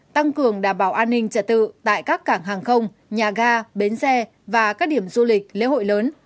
tăng cường đảm bảo an ninh trật tự tại các cảng hàng không nhà ga bến xe và các điểm du lịch lễ hội lớn